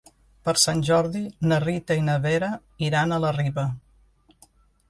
Per Sant Jordi na Rita i na Vera iran a la Riba.